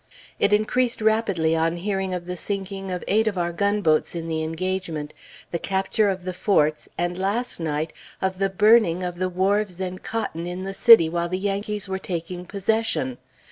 It increased rapidly on hearing of the sinking of eight of our gunboats in the engagement, the capture of the Forts, and last night, of the burning of the wharves and cotton in the city while the Yankees were taking possession.